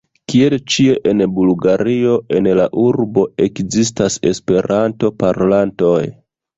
Kiel ĉie en Bulgario en la urbo ekzistas Esperanto-parolantoj.